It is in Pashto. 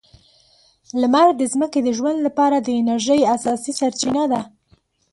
لمر د ځمکې د ژوند لپاره د انرژۍ اساسي سرچینه ده.